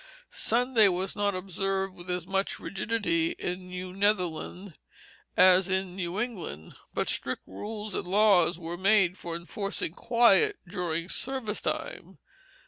Sunday was not observed with as much rigidity in New Netherland as in New England, but strict rules and laws were made for enforcing quiet during service time.